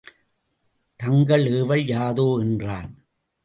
தங்கள் ஏவல் யாதோ? என்றான்.